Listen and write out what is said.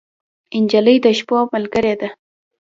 نجلۍ د شپو ملګرې ده.